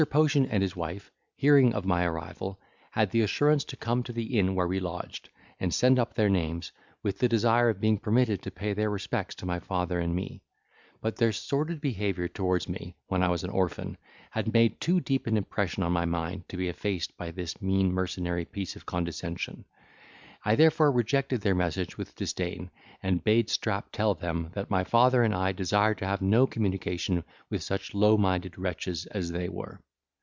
Potion and his wife, hearing of my arrival, had the assurance to come to the inn where we lodged, and send up their names, with the desire of being permitted to pay their respects to my father and me: but their sordid behaviour towards me, when I was an orphan, had made too deep an impression on my mind to be effaced by this mean mercenary piece of condescension: I therefore rejected their message with disdain, and bade Strap tell them, that my father and I desired to have no communication with such low minded wretches as they were.